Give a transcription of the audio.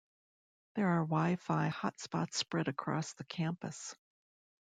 There are Wi-Fi hotspots spread across the campus.